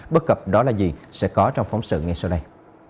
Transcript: bất cập đó là gì sẽ có trong phóng sự ngay sau đây